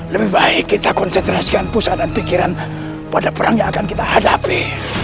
lebih baik kita konsentrasikan pusat dan pikiran pada perang yang akan kita hadapi